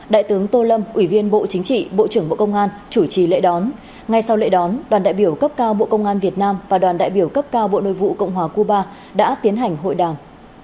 đại tướng tô lâm ủy viên bộ chính trị bộ trưởng bộ công an chủ trì lễ đón ngay sau lễ đón đoàn đại biểu cấp cao bộ công an việt nam và đoàn đại biểu cấp cao bộ nội vụ cộng hòa cuba đã tiến hành hội đàm